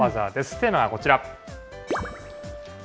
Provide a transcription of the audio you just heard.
テーマはこちら。